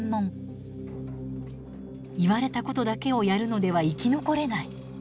言われたことだけをやるのでは生き残れない。